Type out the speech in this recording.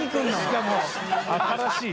しかも新しい。